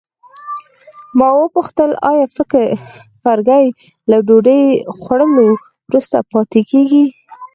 ما وپوښتل آیا فرګي له ډوډۍ خوړلو وروسته پاتې کیږي.